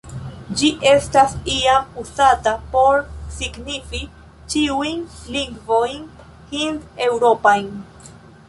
Ĝi estas iam uzata por signifi ĉiujn lingvojn hind-eŭropajn.